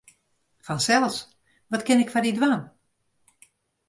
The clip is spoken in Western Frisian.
Fansels, wat kin ik foar dy dwaan?